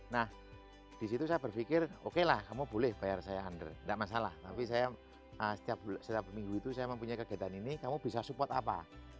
nah disitu saya berpikir oke lah kamu boleh bayar saya under tidak masalah tapi saya setiap minggu itu saya mempunyai kegiatan ini kamu bisa support apa